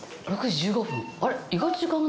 ６時１５分？